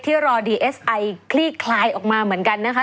รอดีเอสไอคลี่คลายออกมาเหมือนกันนะคะ